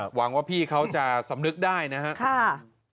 หวังว่าพี่เขาจะสำนึกได้นะครับ